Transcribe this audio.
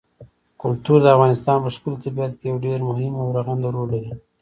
کلتور د افغانستان په ښکلي طبیعت کې یو ډېر مهم او رغنده رول لري.